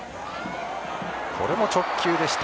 これも直球でした。